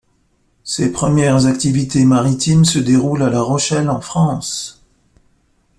Ses premières activités maritimes se déroulent à La Rochelle en France.